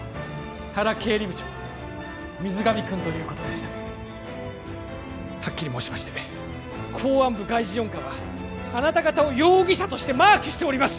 原経理部長水上君ということでしたはっきり申しまして公安部外事４課はあなた方を容疑者としてマークしております